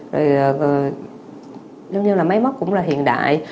rồi nếu như là máy móc cũng là hiện đại